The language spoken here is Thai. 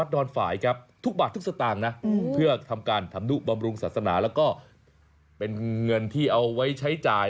ดูบำรุงศาสนาแล้วก็เป็นเงินที่เอาไว้ใช้จ่าย